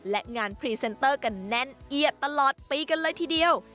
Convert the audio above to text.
และงานพรีเซนเตอร์กันแน่นเอียดตลอดปีกันเลยทีเดียว